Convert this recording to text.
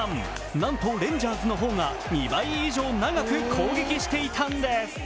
なんと、レンジャーズの方が２倍以上長く攻撃していたんです。